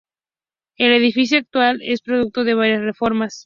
El edificio actual es producto de varias reformas.